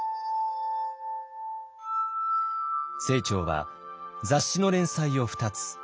清張は雑誌の連載を２つ。